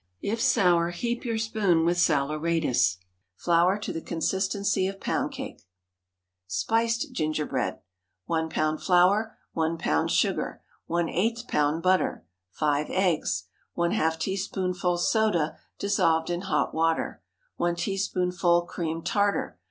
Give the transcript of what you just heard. If sour, heap your spoon with saleratus. Flour to the consistency of pound cake. SPICED GINGERBREAD. 1 lb. flour. 1 lb. sugar. ⅛ lb. butter. 5 eggs. ½ teaspoonful soda dissolved in hot water. 1 teaspoonful cream tartar.